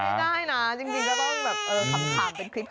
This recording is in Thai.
ไม่ได้นะจริงก็ต้องแบบ